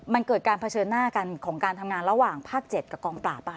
มันเกิดการเผชิญหน้ากันของการทำงานระหว่างภาค๗กับกองปราบ